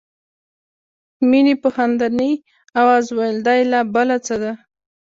مينې په خندني آواز وویل دا یې لا بله څه ده